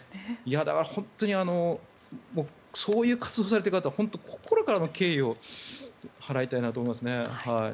だから、本当にそういう活動をされている方は本当、心からの経緯を払いたいなと思いますね。